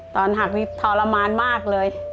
ตอนหักทรมานมากเลย